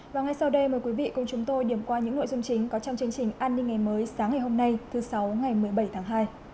và ngay sau đây mời quý vị cùng chúng tôi điểm qua những nội dung chính có trong chương trình an ninh ngày mới sáng ngày hôm nay thứ sáu ngày một mươi bảy tháng hai